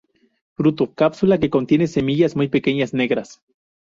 Fruto: Cápsula que contiene semillas muy pequeñas, negras.